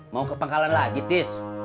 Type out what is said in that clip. mau ke pangkalan lagi tis